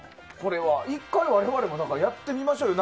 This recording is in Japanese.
１回、我々もやってみましょうよ